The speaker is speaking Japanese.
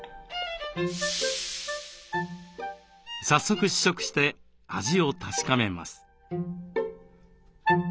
早速試食して味を確かめます。